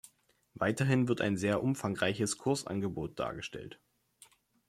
Weiterhin wird ein sehr umfangreiches Kursangebot dargestellt.